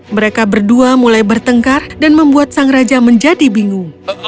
mereka berdua mulai bertengkar dan membuat sang raja menjadi bingung